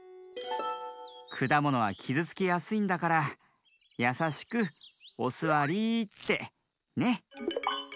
くだものはきずつきやすいんだからやさしく「おすわり」って。ね。